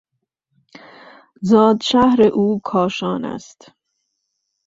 زادشهر او کاشان است.